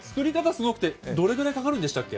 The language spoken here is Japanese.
すごくて、どれくらいかかるんでしたっけ？